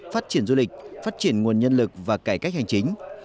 phát triển du lịch phát triển nguồn nhân lực và cải cách hành chính